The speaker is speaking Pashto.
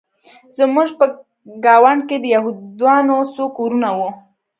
زموږ په ګاونډ کې د یهودانو څو کورونه وو